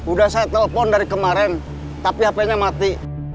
udah saya telepon dari kemarin tapi hp nya mati